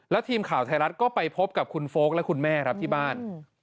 ทีมข่าวไทยรัฐก็ไปพบกับคุณโฟลกและคุณแม่ครับที่บ้าน